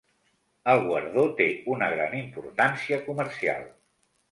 El guardó té una gran importància comercial.